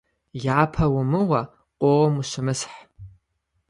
Япэ умыуэ, къоуэм ущымысхь.